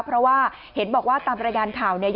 เพราะว่าเห็นบอกว่าตามรายงานข่าวเนี่ย